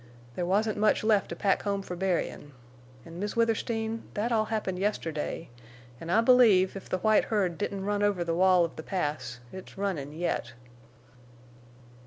There wasn't much left to pack home fer burying!... An', Miss Withersteen, thet all happened yesterday, en' I believe, if the white herd didn't run over the wall of the Pass, it's runnin' yet."